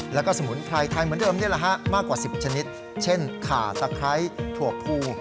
แล้วก็สมุนไพรไทยเหมือนเดิมนี่แหละฮะมากกว่า๑๐ชนิดเช่นขาตะไคร้ถั่วภู